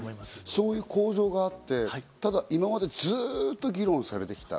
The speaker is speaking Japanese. そういう構造があって、今までずっと議論されてきた。